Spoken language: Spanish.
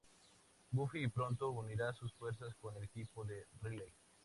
Buffy pronto unirá sus fuerzas con el equipo de Riley.